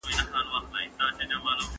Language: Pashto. د وردګ مرکزي ښار میدان ښار دی.